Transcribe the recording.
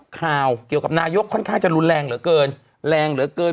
ข่าวเกี่ยวกับนายกค่อนข้างจะรุนแรงเหลือเกินแรงเหลือเกิน